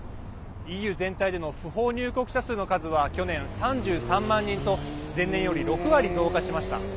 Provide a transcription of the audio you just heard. ＥＵ全体での不法入国者数の数は去年３３万人と前年より６割増加しました。